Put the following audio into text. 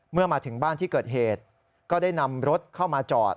เมื่อมาถึงบ้านที่เกิดเหตุก็ได้นำรถเข้ามาจอด